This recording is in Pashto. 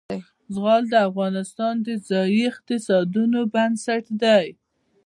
زغال د افغانستان د ځایي اقتصادونو بنسټ دی.